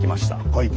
はい。